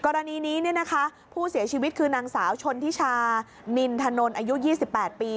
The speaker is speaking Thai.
กรณีนี้ผู้เสียชีวิตคือนางสาวชนทิชานินถนนอายุ๒๘ปี